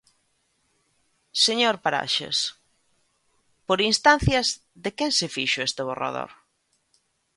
Señor Paraxes, ¿por instancias de quen se fixo ese borrador?